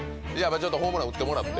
ちょっとホームラン打ってもらって。